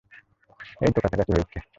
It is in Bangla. এইতো কাছাকাছি হয়েছে।